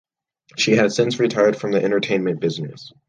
She has since retired from the entertainment business.